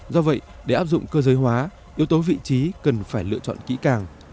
do vậy để áp dụng cơ giới hóa yếu tố vị trí cần phải lựa chọn kỹ càng